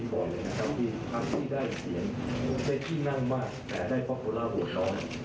ทั้งมีคำสิทธิ์ได้เปลี่ยนได้ขี้นั่งมากแต่ได้ปอปพูลาร์โหวตน้อย